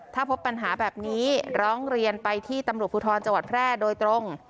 ถ้าพบปัญหาแบบนี้ร้องเรียนไปที่ตำรวจภูทรจังหวัดแพร่โดยตรง